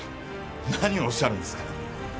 何をおっしゃるんですか